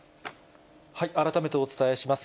改めてお伝えします。